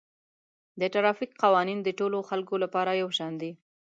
د ټرافیک قوانین د ټولو خلکو لپاره یو شان دي